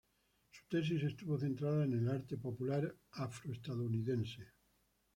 Su tesis estuvo centrada en el arte popular afroestadounidense.